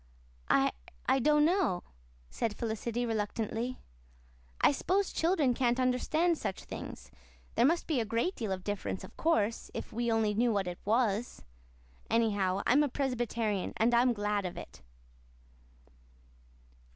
"I I don't know," said Felicity reluctantly. "I s'pose children can't understand such things. There must be a great deal of difference, of course, if we only knew what it was. Anyhow, I am a Presbyterian, and I'm glad of it."